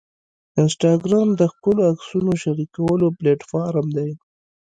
انسټاګرام د ښکلو عکسونو شریکولو پلیټفارم دی.